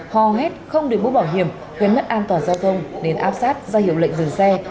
họ hết không được bố bảo hiểm khuyến mất an toàn giao thông nên áp sát ra hiệu lệnh dừng xe